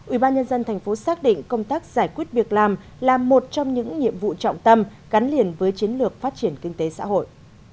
ủy ban nhân dân tp xác định công tác giải quyết việc làm là một trong những nhiệm vụ trọng tâm gắn liền với chiến lược phát triển kinh tế xã hội